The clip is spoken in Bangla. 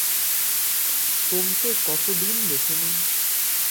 তোমকে কতদিন দেখিনি!